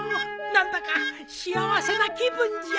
何だか幸せな気分じゃ。